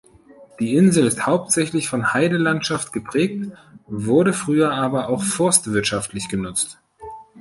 Die Insel ist hauptsächlich von Heidelandschaft geprägt, wurde früher aber auch forstwirtschaftlich genutzt.